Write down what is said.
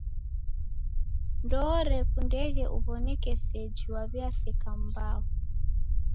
Ndoorekundeghe uw'oneke seji waw'iaseka mbao.